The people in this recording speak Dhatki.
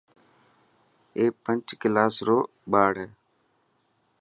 اي پنج سال رو ٻاڙ هي.